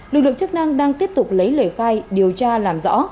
lực lượng chức năng đang tiếp tục lấy lời khai điều tra làm rõ